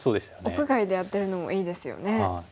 屋外でやってるのもいいですよね。